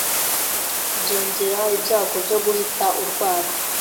byongera ibyago byo guhita urwara